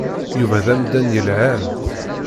Yuba d amdan yelhan.